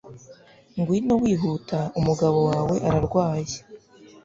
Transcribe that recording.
Ngwino wihuta umugabo wawe ararwaye